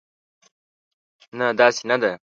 نه، داسې نه ده.